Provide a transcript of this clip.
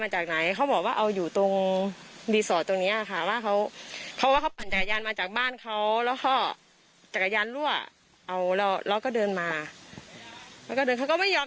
ใช่ค่ะแต่เราก็ไม่กล้าทำอะไรเขาเพราะเราไม่รู้ว่าเขาขโมยจริงไหม